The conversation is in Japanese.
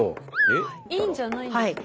いいんじゃないんですか？